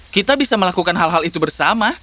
kita bisa melakukan hal hal itu bersama